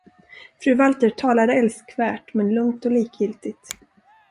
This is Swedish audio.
Fru Walter talade älskvärt men lugnt och likgiltigt.